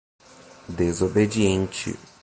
Desobediente